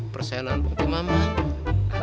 persenan untuk mamang